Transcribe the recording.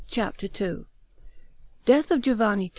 CHAPTER II Death of Giovanni II.